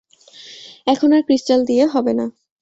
এখন আর ক্রিস্টাল দিয়ে হবে না।